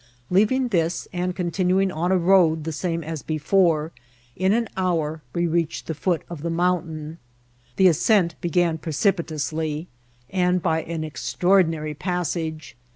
Leaving this, and continuing on a road the same as before, in an hour we reached the foot of the mountain. The ascent began precipitously, and by an extraordinary passage.